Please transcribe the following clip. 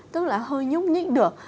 tức là hơi nhúc nhích được